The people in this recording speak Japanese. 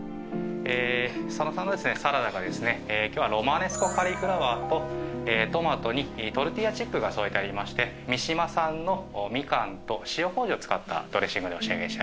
佐野さんのサラダがですねロマネスコカリフラワーとトマトにトルティーヤチップが添えてありまして三島産のミカンと塩こうじを使ったドレッシングでお仕上げしてあります。